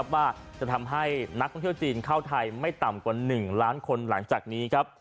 ว่าจะทำให้นักท่องเที่ยวจีนเข้าไทยไม่ต่ำกว่า๑ล้านคนหลังจากนี้ครับ